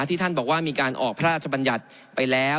ที่ท่านบอกว่ามีการออกพระราชบัญญัติไปแล้ว